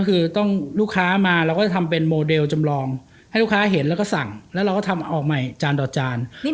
เราจะทำเป็นโมเดลจำลองให้ลูกค้าเห็นแล้วก็สั่งแล้วเราทำออกใหม่จานต่อจาน